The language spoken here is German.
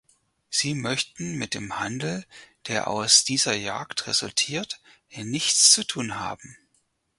Sie möchten mit dem Handel, der aus dieser Jagd resultiert, nichts zu tun haben.